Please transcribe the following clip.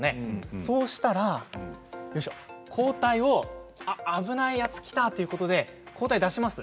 そうしたら抗体を危ないやつが来たということで抗体を出します。